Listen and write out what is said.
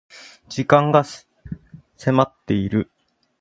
時間が迫っている